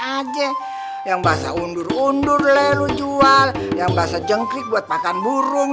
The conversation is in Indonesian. dulu aneh aneh aja yang bahasa undur undur le lo jual yang bahasa jengkrik buat makan burung